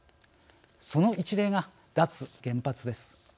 その一例が脱原発です。